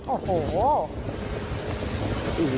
โอ้โห